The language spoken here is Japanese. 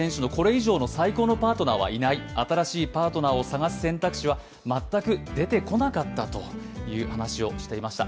以上、最高のパートナーはいない、新しいパートナーを探す選択肢は出てこなかったと話していました。